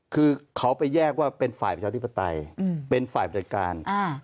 คือเขาไปแยกว่าเป็นฝ่ายประชาธิปไตยเป็นฝ่ายจัดการ